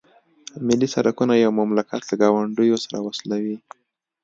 ملي سرکونه یو مملکت له ګاونډیو سره وصلوي